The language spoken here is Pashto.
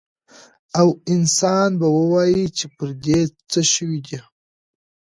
او انسان به ووايي چې پر دې څه شوي دي؟